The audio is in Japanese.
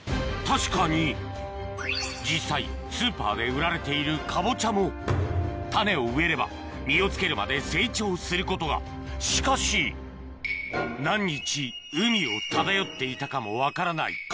確かに実際スーパーで売られているカボチャも種を植えれば実をつけるまで成長することがしかし何日海を漂っていたかも分からない